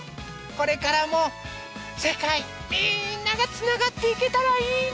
これからもせかいみんながつながっていけたらいいね！